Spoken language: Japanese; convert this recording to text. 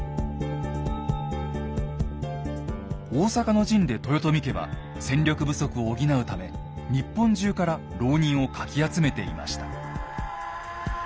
大坂の陣で豊臣家は戦力不足を補うため日本中から牢人をかき集めていました。